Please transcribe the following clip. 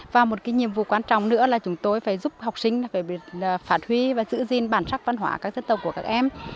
và một nhiệm vụ quan trọng nữa là chúng tôi phải giúp học sinh phải phát huy và giữ gìn bản sắc văn hóa các dân tộc của các em